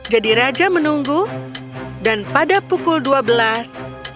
jadi raja menunggu dan pada pukul dua belas